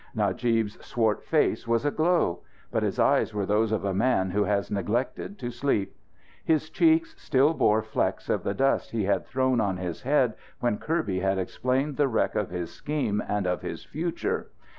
Najib's swart face was aglow. But his eyes were those of a man who has neglected to sleep. His cheeks still bore flecks of the dust he had thrown on his head when Kirby had explained the wreck of his scheme and of his future.